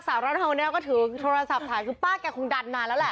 สาวร่อนเท้าแนวก็ถือโทรศัพท์ถ่ายคือป้าแกคงดัดนานแล้วแหละ